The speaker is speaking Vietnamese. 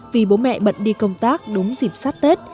vì bố mẹ bận đi công tác đúng dịp sát tết